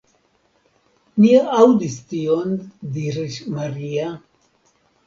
Ni aŭdis tion, diris Maria.